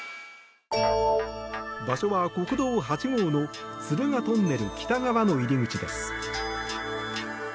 場所は国道８号の敦賀トンネル北側の入り口です。